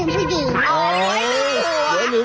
มิชุนา